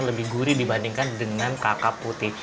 lebih gurih dibandingkan dengan kakak putih